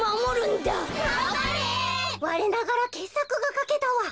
われながらけっさくがかけたわ。